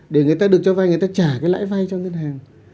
để người ta được cho vay người ta trả cái lãi vay cho ngân hàng